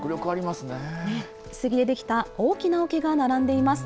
杉で出来た大きなおけが並んでいます。